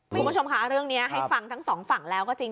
คุณผู้ชมค่ะเรื่องนี้ให้ฟังทั้งสองฝั่งแล้วก็จริง